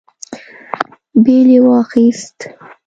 بېل يې واخيست.